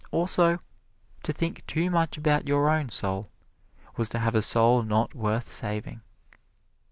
Also, to think too much about your own soul was to have a soul not worth saving.